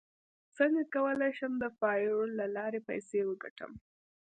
څنګه کولی شم د فایور له لارې پیسې وګټم